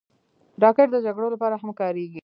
راکټ د جګړو لپاره هم کارېږي